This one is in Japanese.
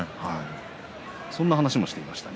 そんな話もしていました。